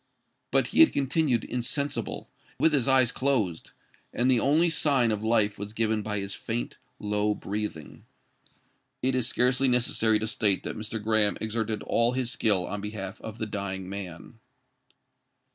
But he had continued insensible—with his eyes closed; and the only sign of life was given by his faint, low breathing. It is scarcely necessary to state that Mr. Graham exerted all his skill on behalf of the dying man.